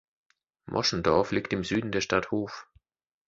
Moschendorf liegt im Süden der Stadt Hof.